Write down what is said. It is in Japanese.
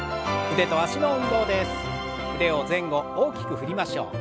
腕を前後大きく振りましょう。